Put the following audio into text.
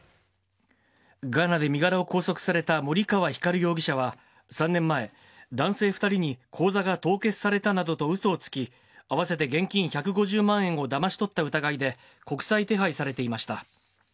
ガーナで身柄を拘束された森川光容疑者は３年前、男性２人に口座が凍結されたなどとうそをつき、合わせて現金１５０万円をだまし取った疑いで国際手配されていました。